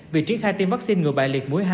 vị trí khai tiêm vaccine ngừa bại liệt mũi hai